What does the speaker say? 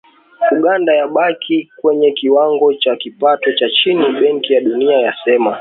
Uganda yabakia kwenye kiwango cha kipato cha chini Benki ya Dunia yasema